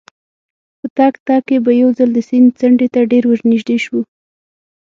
په تګ تګ کې به یو ځل د سیند څنډې ته ډېر ورنژدې شوو.